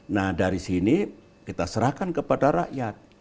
nah dari sini kita serahkan kepada rakyat